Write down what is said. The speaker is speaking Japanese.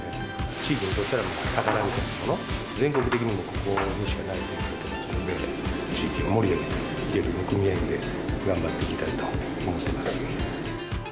地域にとっては宝みたいなもの、全国的にもここにしかないので、地域を盛り上げていけるよう、組合員で頑張っていきたいと思っています。